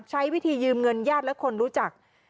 ใช้วิธียืมเงินญาติและคนรู้จัก